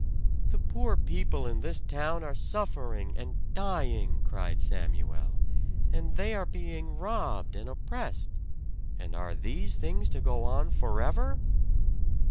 "The poor people in this town are suffering and dying!" cried Samuel. "And they are being robbed and oppressed. And are these things to go on forever?"